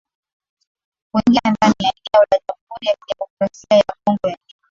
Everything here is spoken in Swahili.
kuingia ndani ya eneo la Jamhuri ya Kidemokrasia ya Kongo ya leo